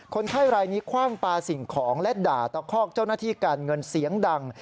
คนไข้รายนี้คว่างปลาสิ่งของและด่าตะคอกเจ้าหน้าที่การเงินเสียงดัง